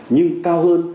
nhưng cao hơn